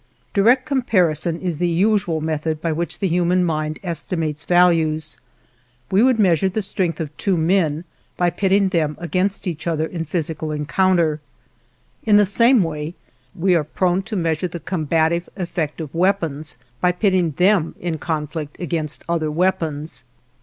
Direct comparison is the usual method by which the human mind estimates values. We would measure the strength of two men by pitting them against each other in physical encounter; in the same way, we are prone to measure the combative effect of weapons by pitting them in conflict against other weapons.